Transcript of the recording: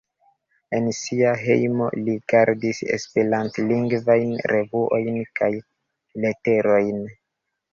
En sia hejmo li gardis esperantlingvajn revuojn kaj leterojn.